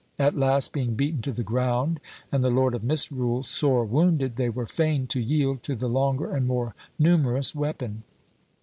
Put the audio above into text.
At last being beaten to the ground, and the Lord of Misrule sore wounded, they were fain to yield to the longer and more numerous weapon.